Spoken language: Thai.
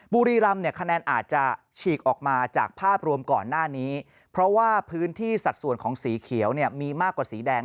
บุรีรำเนี่ยคะแนนอาจจะฉีกออกมาจากภาพรวมก่อนหน้านี้เพราะว่าพื้นที่สัดส่วนของสีเขียวเนี่ยมีมากกว่าสีแดง